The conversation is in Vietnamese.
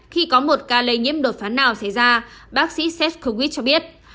khi có một ca lây nhiễm đột phán nào xảy ra bác sĩ seth kukwit cho biết